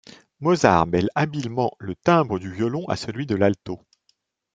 Mozart mêle habilement le timbre du violon à celui de l'alto.